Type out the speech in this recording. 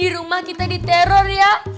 rumah kita diteror ya